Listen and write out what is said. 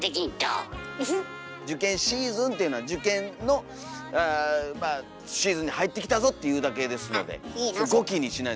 「受験シーズン」っていうのは受験のあまあシーズンに入ってきたぞっていうだけですので五季にしない。